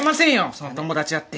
その友達だって。